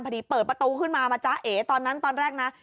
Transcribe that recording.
เปิดประตูขึ้นมามาจ๊ะเอ๋ตอนนั้นตอนแรกนะ